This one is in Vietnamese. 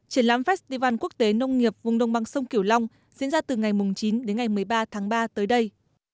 triển lãm festival quốc tế nông nghiệp vùng đồng bằng sông kiểu long diễn ra từ ngày chín đến ngày một mươi ba tháng ba tới đây